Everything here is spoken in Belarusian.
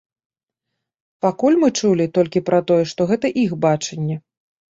Пакуль мы чулі толькі пра тое, што гэта іх бачанне.